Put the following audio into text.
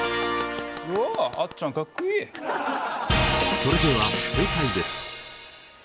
それでは正解です。